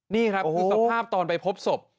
นี่ครับคือสภาพตอนไปพบศพ